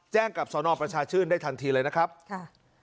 กับสนประชาชื่นได้ทันทีเลยนะครับค่ะ